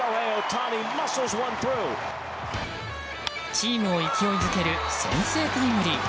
チームを勢いづける先制タイムリー。